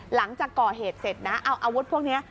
หลังจากก่อเหตุเสร็จนะเอาอาวุธพวกนี้